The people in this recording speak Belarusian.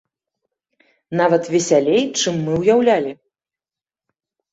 Нават весялей, чым мы ўяўлялі.